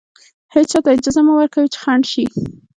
هېچا ته اجازه مه ورکوئ چې خنډ شي.